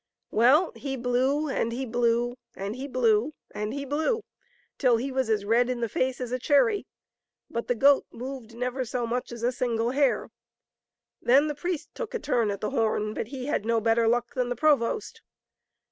I70 MASTER JACOB. Well, he blew and he blew, and he blew and he blew, till he was as red in the face as a cherry, but the goat moved never so much as a single hair Then the priest took a turn at the horn, but he had no better luck than the provost.